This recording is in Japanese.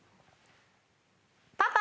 「パパ！